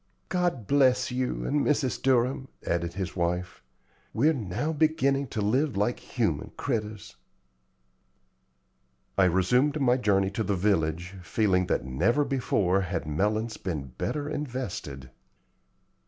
"God bless you and Mrs. Durham!" added his wife "We're now beginning to live like human critters." I resumed my journey to the village, feeling that never before had melons been better invested.